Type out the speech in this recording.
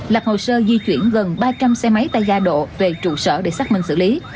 lập hồ sơ di chuyển gần ba trăm linh xe máy tại gia độ về trụ sở để xác minh xử lý